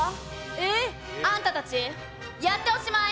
ええ⁉あんたたちやっておしまい！